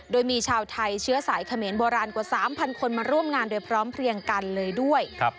โดยมีชาวไทยเชื้อสายเขมรโบราณกว่า๓๐๐คนมาร่วมงานโดยพร้อมเพลียงกันเลยด้วย